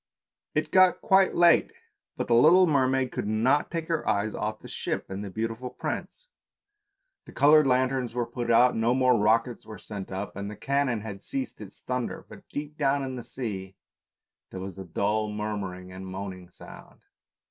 It got quite late, but the little mermaid could not take her eyes off the ship and the beautiful prince. The coloured lanterns THE MERMAID 7 were put out, no more rockets were sent up, and the cannon had ceased its thunder, but deep down in the sea there was a dull murmuring and moaning sound.